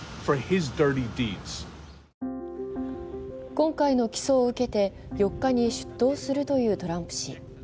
今回の起訴を受けて、４日に出頭するというトランプ氏。